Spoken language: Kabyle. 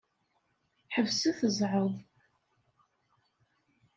Ḥebset zzeɛḍ.